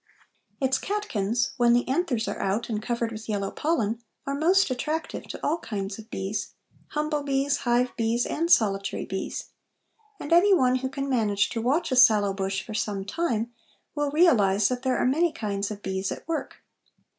Its catkins, when the anthers are out and covered with yellow pollen, are most attractive to all kinds of bees, humble bees, hive bees, and solitary bees, and any one who can manage to watch a sallow bush for some time will realize that there are many kinds of bees at work.